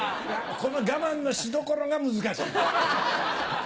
この我慢のしどころが難しいんだ。